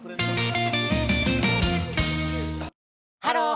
ハロー